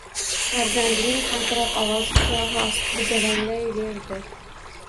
Farzandining qaltiroq ovozi qulog`i ostida jaranglayverdi